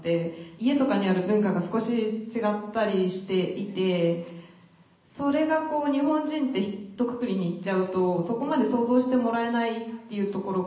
家とかにある文化が少し違ったりしていてそれがこう日本人ってひとくくりに言っちゃうとそこまで想像してもらえないっていうところがあって。